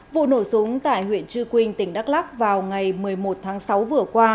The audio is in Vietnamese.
vụ nổ súng tại huyện trư quynh tỉnh đắk lắc vào ngày một mươi một tháng sáu vừa qua